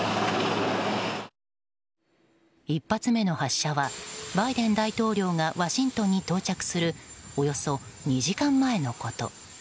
１発目の発射はバイデン大統領がワシントンに到着するおよそ２時間前のこと。